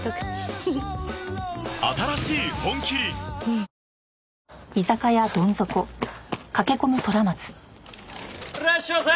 いらっしゃいませ！